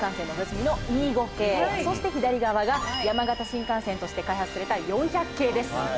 そして左側が山形新幹線として開発された４００系です。